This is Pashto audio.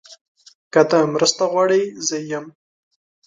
که ته مرسته غواړې، زه یم.